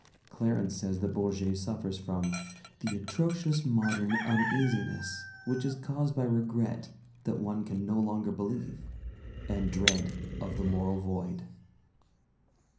Clarens says that Bourget suffers from "the atrocious modern uneasiness which is caused by regret that one can no longer believe, and dread of the moral void."